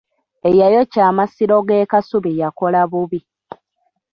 Eyayokya amasiro g'e Kasubi yakola bubi.